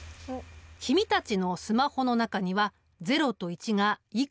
君たちのスマホの中には０と１がいくつあると思う？